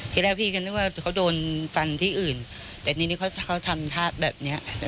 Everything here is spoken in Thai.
ทีแรกพี่ก็นึกว่าเขาโดนฟันที่อื่นแต่ทีนี้เขาทำท่าแบบเนี้ย